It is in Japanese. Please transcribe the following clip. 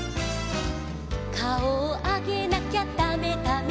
「かおをあげなきゃだめだめ」